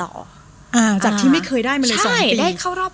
อ่าจากที่ไม่เคยได้มาเลยสองปีใช่ได้เข้ารอบไปต่อ